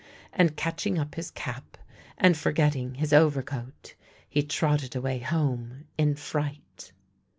And catching up his cap, and forgetting his overcoat, he trotted away home in fright.